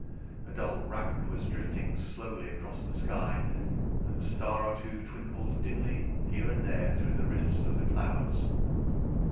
A dull wrack was drifting slowly across the sky, and a star or two twinkled dimly here and there through the rifts of the clouds.